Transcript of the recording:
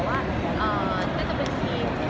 งานที่มันไม่ใช่งานอ่ะอธิบายไม่ถูกเหมือนกัน